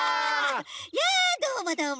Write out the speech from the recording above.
やあどうもどうも。